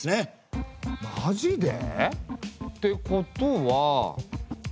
マジで？ってことは。